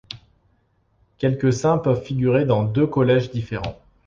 Quelques saints peuvent figurer dans deux collèges différents.